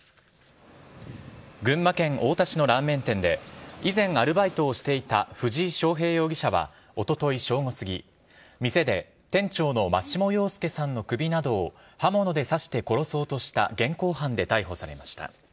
群馬県太田市のラーメン店で、以前アルバイトをしていた藤井翔平容疑者はおととい正午過ぎ、店で店長の真下陽介さんの首などを刃物で刺して殺そうとした現行犯で逮捕されました。